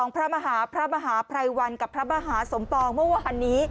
๒พระม่าพระมหาไพรวันกับพระม่าสมปองเมื่อวานิ